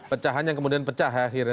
pecahan yang kemudian pecah akhirnya